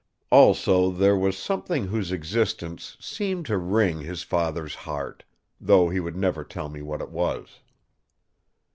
Also, there was something whose existence seemed to wring his father's heart, though he would never tell me what it was.